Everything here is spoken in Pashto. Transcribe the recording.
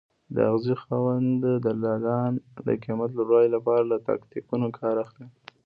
د اغېزې خاوند دلالان د قیمت لوړوالي لپاره له تاکتیکونو کار اخلي.